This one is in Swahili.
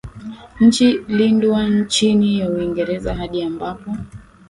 nchi lindwa chini ya Uingereza hadi ambapo